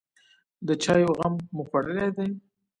_د چايو غم مو خوړلی دی؟